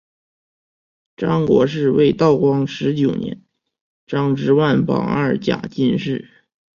张国士为道光十九年张之万榜二甲进士。